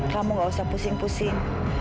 kamu gak usah pusing pusing